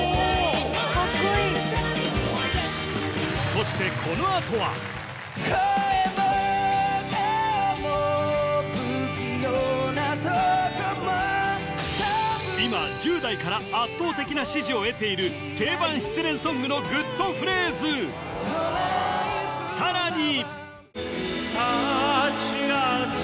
そして今１０代から圧倒的な支持を得ている定番失恋ソングのグッとフレーズさらに！